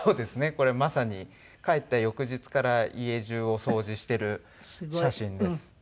これまさに帰った翌日から家中を掃除してる写真です。